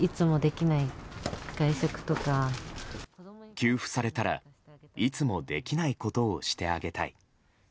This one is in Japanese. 給付されたらいつもできないことをしてあげたい。